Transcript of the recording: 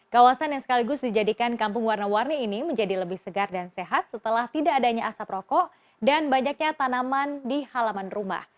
kawasan yang sekaligus dijadikan kampung warna warni ini menjadi lebih segar dan sehat setelah tidak adanya asap rokok dan banyaknya tanaman di halaman rumah